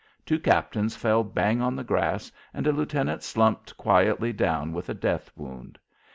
Two captains fell bang on the grass and a lieutenant slumped quietly down with a death wound.